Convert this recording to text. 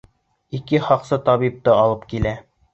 Ике һаҡсы табипты алып килә.